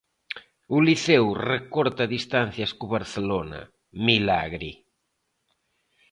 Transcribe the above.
O Liceo recorta distancias co Barcelona Milagre!